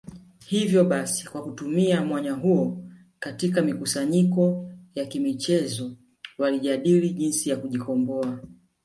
Ivyo basi kwa kutumia mwanya huo katika mikusanyiko ya kimichezozo walijadii jinsi ya kujikomboa